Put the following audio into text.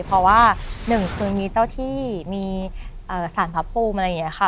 เพราะว่าหนึ่งคือมีเจ้าที่มีสารพระภูมิอะไรอย่างนี้ค่ะ